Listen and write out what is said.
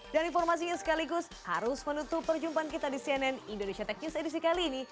dan informasinya sekaligus harus menutup perjumpaan kita di cnn indonesia tech news edisi kali ini